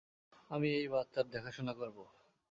আমি এই বাচ্চার দেখাশুনা করব।